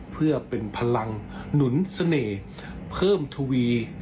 เพื่อเป็นพลังหนุนเสน่ห์เพิ่มทวี